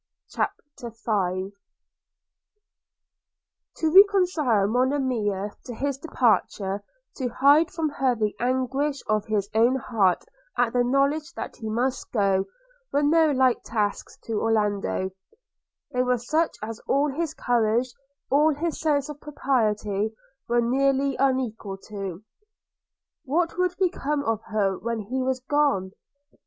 CHAPTER V TO reconcile Monimia to his departure, to hide from her the anguish of his own heart at the knowledge that he must go, were no light tasks to Orlando: they were such as all his courage, all his sense of propriety, were nearly unequal to. What would become of her when he was gone?